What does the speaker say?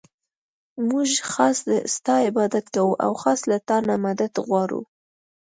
مونږ خاص ستا عبادت كوو او خاص له تا نه مدد غواړو.